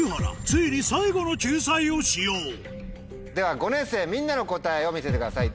ついに最後の救済を使用では５年生みんなの答えを見せてください。